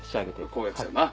こういうやつやな。